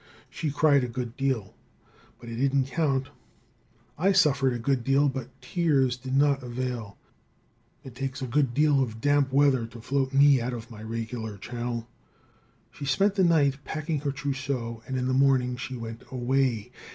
She cried a good deal, but it didn't count I suffered a good deal, but tears did not avail. It takes a good deal of damp weather to float me out of my regular channel. She spent the night packing her trousseau, and in the morning she went away.